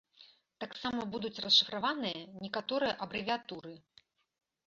Таксама будуць расшыфраваныя некаторыя абрэвіятуры.